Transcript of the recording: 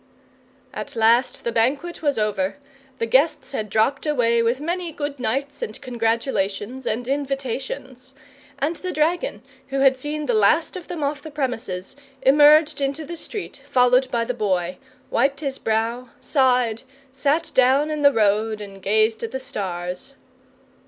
At last the banquet was over, the guests had dropped away with many good nights and congratulations and invitations, and the dragon, who had seen the last of them off the premises, emerged into the street followed by the Boy, wiped his brow, sighed, sat down in the road and gazed at the stars.